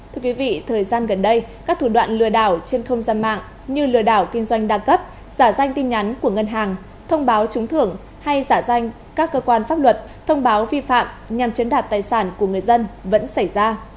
thưa quý vị thời gian gần đây các thủ đoạn lừa đảo trên không gian mạng như lừa đảo kinh doanh đa cấp giả danh tin nhắn của ngân hàng thông báo trúng thưởng hay giả danh các cơ quan pháp luật thông báo vi phạm nhằm chiếm đoạt tài sản của người dân vẫn xảy ra